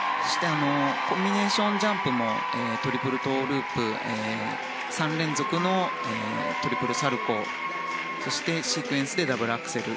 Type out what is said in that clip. コンビネーションジャンプもトリプルトウループ３連続のトリプルサルコウそして、シークエンスでダブルアクセル。